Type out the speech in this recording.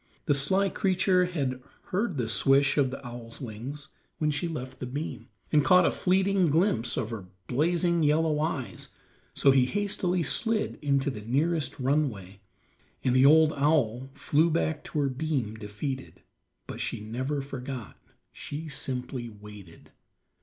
The sly creature had heard the swish of the owl's wings when she left the beam, and caught a fleeting glimpse of her blazing yellow eyes, so he hastily slid into the nearest runway, and the owl flew back to her beam defeated; but she never forgot, she simply waited.